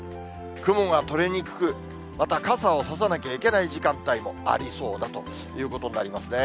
雲が取れにくく、また傘を差さなきゃいけない時間帯もありそうだということになりますね。